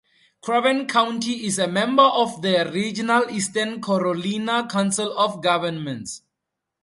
Craven County is a member of the regional Eastern Carolina Council of Governments.